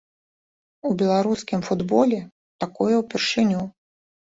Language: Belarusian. У беларускім футболе такое ўпершыню.